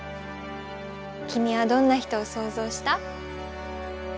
君はどんな人を想像した？